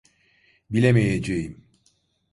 Bilemeyeceğim.